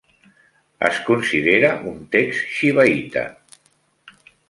Es considera un text xivaïta.